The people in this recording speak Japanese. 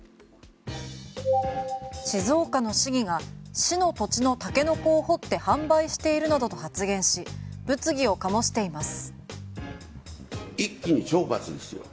静岡の市議が市の土地のタケノコを掘って販売しているなどと発言し物議を醸しています。